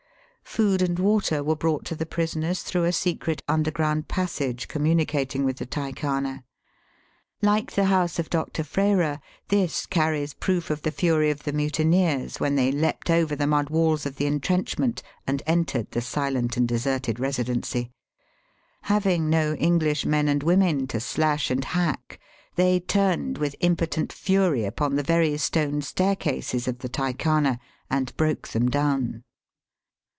Food and water were brought to the prisoners through a secret underground passage communicating with the Tykhana. Like the house of Dr. Frayrer, this carries proof of the fury of the mutineers when they leaped over the mud walls of the entrench ment and entered the silent and deserted Residency. Having no English men and women to slash and hack, they turned with impotent fury upon the very stone staircases of the Tykhana and broke them down.